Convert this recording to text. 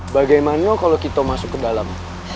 bagaimana kalau kita masuk ke dalam